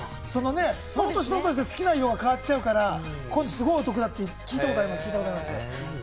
その年、その年で好きな色が変わっちゃうから、こういうのお得だって聞いたことあります。